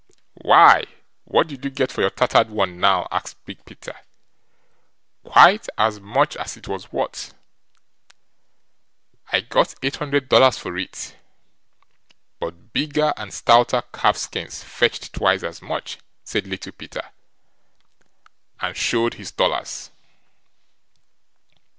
"Why, what did you get for your tattered one, now?" asked Big Peter. "Quite as much as it was worth. I got eight hundred dollars for it, but bigger and stouter calves skins fetched twice as much", said Little Peter, and showed his dollars.